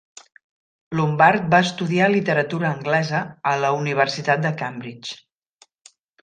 Lombard va estudiar literatura anglesa a la Universitat de Cambridge.